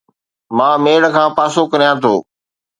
مان ميڙ کان پاسو ڪريان ٿو